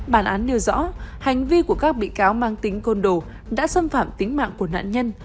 bản án nêu rõ hành vi của các bị cáo mang tính côn đồ đã xâm phạm tính mạng của nạn nhân